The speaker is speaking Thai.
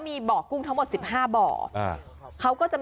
นี่คือเทคนิคการขาย